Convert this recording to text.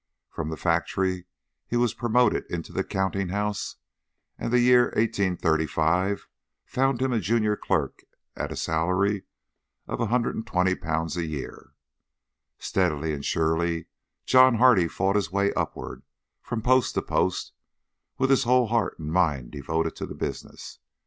From the factory he was promoted into the counting house, and the year 1835 found him a junior clerk at a salary of L120 a year. Steadily and surely John Hardy fought his way upward from post to post, with his whole heart and mind devoted to the business.